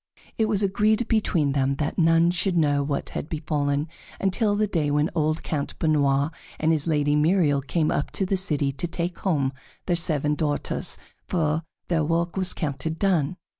It was agreed between them that none should know what had befallen until the day when old Count Benoît and his Lady Myriel came up to the city to take home their seven daughters, for their work was counted done.